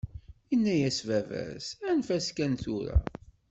Yenna-as baba-s: Anef-as kan tura.